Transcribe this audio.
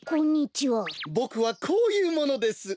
ボクはこういうものです。